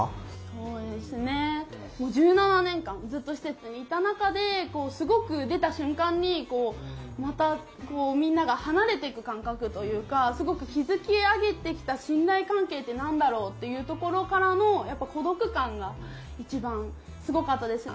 そうですね１７年間ずっと施設にいた中で出た瞬間にまたみんなが離れていく感覚というか築き上げてきた信頼関係って何だろうっていうところからの孤独感が一番すごかったです。